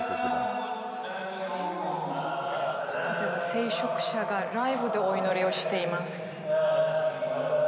聖職者がライブでお祈りをしています。